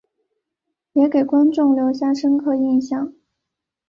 也给观众留下深刻影象。